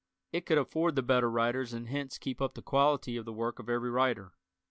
It could afford the better writers and hence keep up the quality of work of every writer.